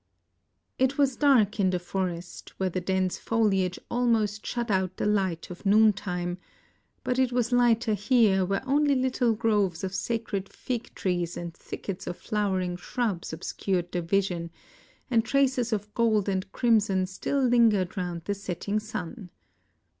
It was dark in the forest, where the dense foliage almost shut out the light of noontime, but it was lighter here where only little groves of sacred fig trees and thick 23 IXDL\ ets of flowering shrubs obscured the vision, and traces of gold and crimson still lingered round the setting sun.